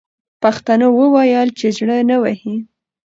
پښتنو وویل چې زړه نه وهي.